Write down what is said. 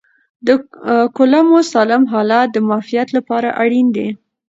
د کولمو سالم حالت د معافیت لپاره اړین دی.